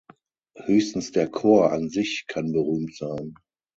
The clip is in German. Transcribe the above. Höchstens der Chor an sich kann berühmt sein.